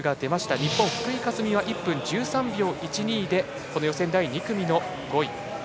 日本、福井香澄は１分１３秒１２で予選第２組の５位。